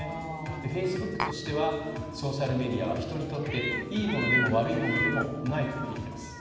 フェイスブックとしてはソーシャルメディアは人にとっていいものでも悪いものでもないということです。